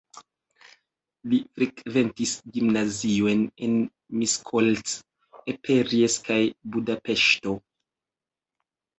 Li frekventis gimnaziojn en Miskolc, Eperjes kaj Budapeŝto.